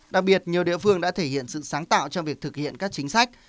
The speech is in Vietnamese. đặc biệt nhiều địa phương đã thể hiện sự sáng tạo trong việc thực hiện các chính sách